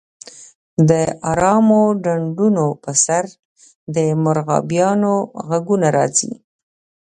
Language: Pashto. د ارامو ډنډونو په سر د مرغابیانو غږونه راځي